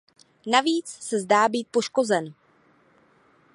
Navíc se zdá být poškozen.